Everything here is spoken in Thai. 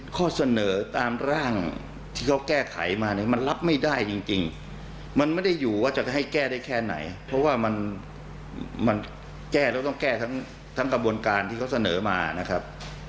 ข้อเสนอตามร่างที่เขาแก้ไขมาเนี่ยมันรับไม่ได้จริงมันไม่ได้อยู่ว่าจะให้แก้ได้แค่ไหนเพราะว่ามันแก้แล้วต้องแก้ทั้งกระบวนการที่เขาเสนอมานะครับ